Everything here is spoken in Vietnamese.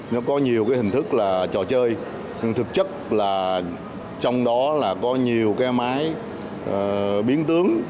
nó có nhiều cái hình thức là trò chơi nhưng thực chất là trong đó là có nhiều cái máy biến tướng